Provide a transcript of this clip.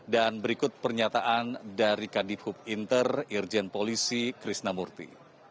dan berikut pernyataan dari kandipub inter irjen polisi krisnamurti